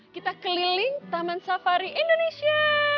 kita keliling taman safari indonesia